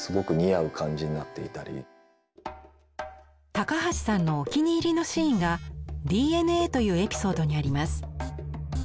高橋さんのお気に入りのシーンが「Ｄ・Ｎ・Ａ」というエピソードにあります。